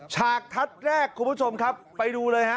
ฉากทัศน์แรกคุณผู้ชมครับไปดูเลยฮะ